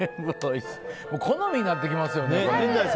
好みになってきますよね。